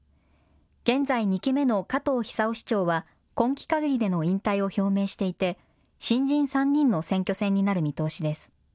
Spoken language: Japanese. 現在２期目の加藤久雄市長は、今期かぎりでの引退を表明していて、新人３人の選挙戦になる見通しです。